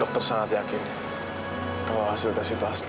dokter sangat yakin kalau hasil tes itu asli